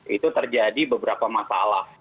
itu terjadi beberapa masalah